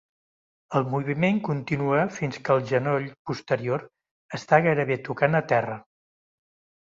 El moviment continua fins que el genoll posterior està gairebé tocant a terra.